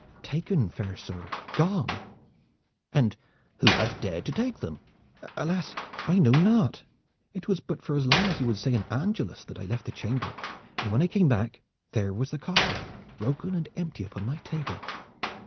"Taken, fair sir gone!" "And who hath dared to take them?" "Alas! I know not. It was but for as long as you would say an angelus that I left the chamber, and when I came back there was the coffer, broken and empty, upon my table."